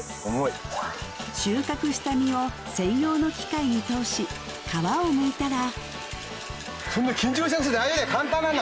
収穫した実を専用の機械に通し皮をむいたら怖い